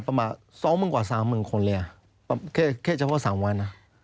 ประมาณ๒โมงกว่า๓แค่แค่เฉพาะ๓วันอ่ะ